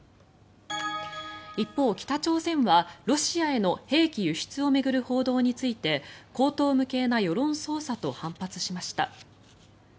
一方、北朝鮮はロシアへの兵器輸出を巡る報道について荒唐無稽な世論操作と反発しました。